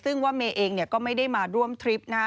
ซึ่งว่าเมย์เองก็ไม่ได้มาร่วมทริปนะฮะ